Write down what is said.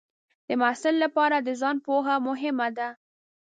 د محصل لپاره د ځان پوهه مهمه ده.